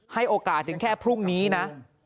ให้โอกาสถึงแค่พรุ่งนี้นะ